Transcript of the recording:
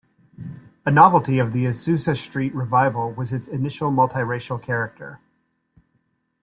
A novelty of the Azusa Street Revival was its initial multiracial character.